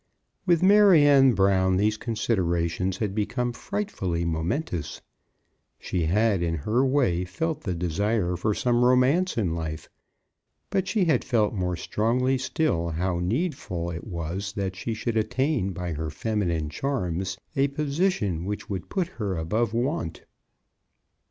With Maryanne Brown these considerations had become frightfully momentous. She had in her way felt the desire for some romance in life, but she had felt more strongly still how needful it was that she should attain by her feminine charms a position which would put her above want.